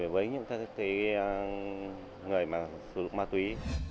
với những người sử dụng ma túy